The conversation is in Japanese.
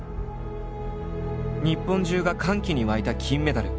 日本中が歓喜に沸いた金メダル。